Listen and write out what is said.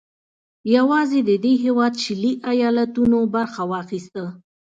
یوازې د دې هېواد شلي ایالتونو برخه واخیسته.